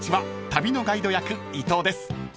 旅のガイド役伊藤です］